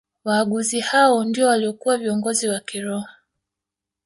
Waaguzi hao ndio waliokuwa viongozi wa kiroho